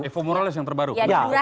evo morales yang terbaru